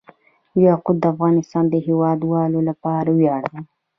یاقوت د افغانستان د هیوادوالو لپاره ویاړ دی.